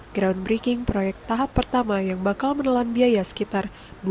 groundbreaking proyek tahap pertama yang bakal menelan biaya sekitar